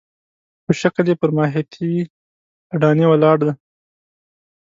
خو شکل یې پر ماهیتي اډانې ولاړ دی.